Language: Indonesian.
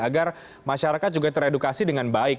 agar masyarakat juga teredukasi dengan baik